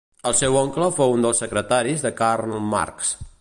El seu oncle fou un dels secretaris de Karl Marx.